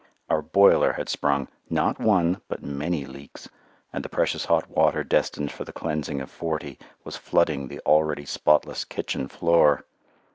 Our boiler had sprung, not one but many leaks, and the precious hot water destined for the cleansing of forty was flooding the already spotless kitchen floor.